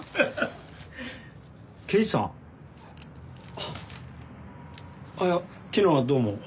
あっいや昨日はどうも。